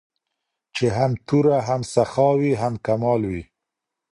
چي هم توره هم سخا وي هم کمال وي